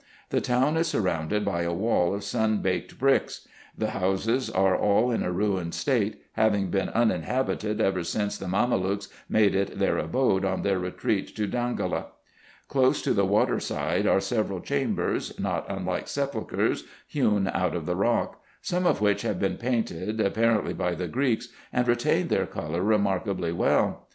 The town is surrounded by a wall of sun baked bricks. The houses are all in a ruined state, having been uninhabited ever since the Mamelukes made it their abode on their retreat to Danffola. Close to the water side are several chambers, not unlike sepulchres, hewn out of the rock ; some of which have been painted, apparently by the Greeks, and retain their colour remarkably well.